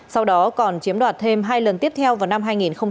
sau đó còn chiếm đoạt thêm hai lần tiếp theo vào năm hai nghìn một mươi chín